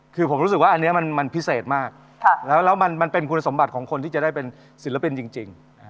คือผมรู้สึกว่าอันนี้มันพิเศษมากแล้วมันเป็นคุณสมบัติของคนที่จะได้เป็นศิลปินจริง